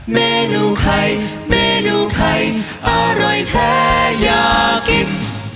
เมนูไข่เมนูไข่อร่อยแท้อยากกิน